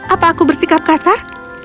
apa aku bersikap kasar